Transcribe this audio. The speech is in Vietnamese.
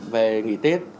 về nghỉ tết